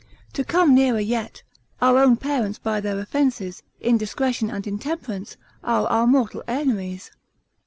To come nearer yet, our own parents by their offences, indiscretion and intemperance, are our mortal enemies.